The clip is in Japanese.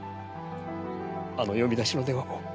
あの呼び出しの電話も。